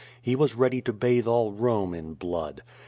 He was ready to bathe all Rome in blood.